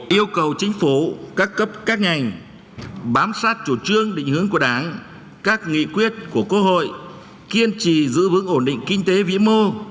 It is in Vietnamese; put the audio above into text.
yêu cầu chính phủ các cấp các ngành bám sát chủ trương định hướng của đảng các nghị quyết của quốc hội kiên trì giữ vững ổn định kinh tế vĩ mô